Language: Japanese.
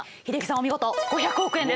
お見事５００億円です。